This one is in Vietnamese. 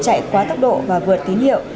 chạy quá tốc độ và vượt tín hiệu